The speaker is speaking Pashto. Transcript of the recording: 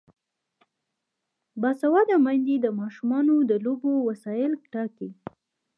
باسواده میندې د ماشومانو د لوبو وسایل ټاکي.